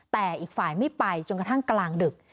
แต่อีกฝ่ายไม่ไปจนกระทั่งกลางดึก